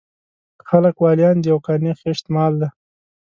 خلک واليان دي او قانع خېشت مال دی.